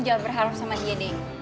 jangan berharap sama dia deh